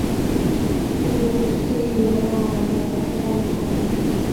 তিনি প্রতিবেশী Syria, Yemen ও অন্যান্য অঞ্চলে ব্যবসার কারণে ভ্রমণ করেছেন।